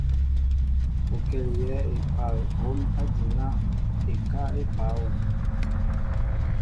O kɛl yɛɛ epal hom adina ekáá epa wɛ.